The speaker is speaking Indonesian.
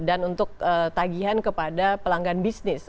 dan untuk tagihan kepada pelanggan bisnis